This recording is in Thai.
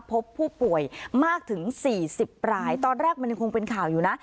พบผู้ป่วยมากถึงสี่สิบรายตอนแรกมันยังคงเป็นข่าวอยู่นะ